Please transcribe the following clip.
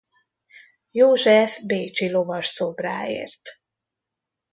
József bécsi lovasszobráért.